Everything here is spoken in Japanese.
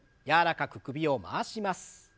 柔らかく首を回します。